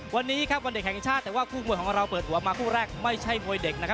ถ้าเขากันกันเบ่อก็จะให้ตามนิดหนึ่ง